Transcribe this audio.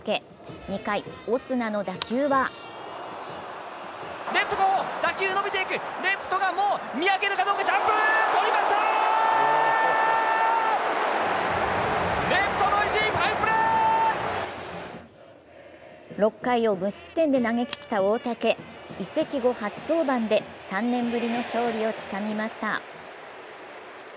２回、オスナの打球は６回を無失点で逃げ切った大竹、移籍後初登板で３年ぶりの勝利をつかみました。